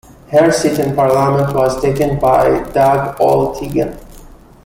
Her seat in parliament was taken by Dag Ole Teigen.